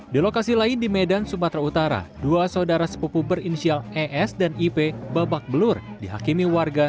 di lokasi lain di medan sumatera utara dua saudara sepupu berinisial es dan ip babak belur dihakimi warga